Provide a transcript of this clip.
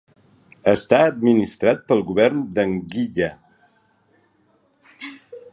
Està administrat pel govern d'Anguilla.